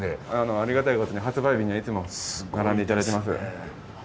ありがたいことに発売日にはいつも並んで頂いてます。